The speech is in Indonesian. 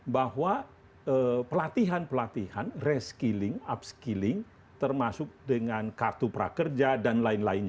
bahwa pelatihan pelatihan reskilling upskilling termasuk dengan kartu prakerja dan lain lainnya